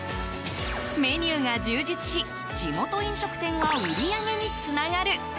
メニューが充実し、地元飲食店は売り上げにつながる。